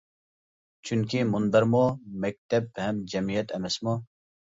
چۈنكى مۇنبەرمۇ مەكتەپ ھەم جەمئىيەت ئەمەسمۇ!